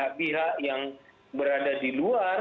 jangan kemudian ada pihak pihak yang berada di luar